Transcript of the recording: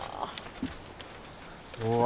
うわ。